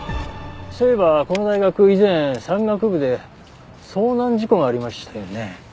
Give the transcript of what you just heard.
そういえばこの大学以前山岳部で遭難事故がありましたよね。